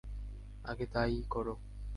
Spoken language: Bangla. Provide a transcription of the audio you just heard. আগে তা-ই করো।